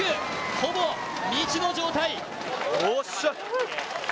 ほぼ未知の状態。